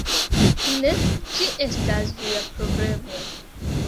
Ne, ĝi estas via problemo